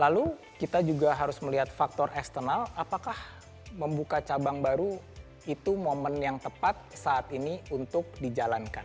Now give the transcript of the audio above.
lalu kita juga harus melihat faktor eksternal apakah membuka cabang baru itu momen yang tepat saat ini untuk dijalankan